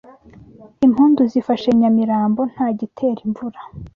Impundu zifashe Nyamirambo ntagitera imvura